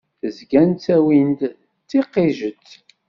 Zgan ttawin-t d tiqiǧet.